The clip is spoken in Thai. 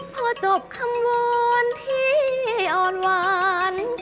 พอจบข้ำวู่นที่อ่อนหวาน